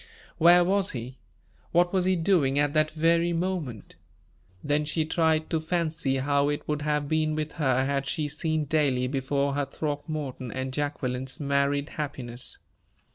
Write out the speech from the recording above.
Where was he? What was he doing at that very moment? Then she tried to fancy how it would have been with her had she seen daily before her Throckmorton and Jacqueline's married happiness.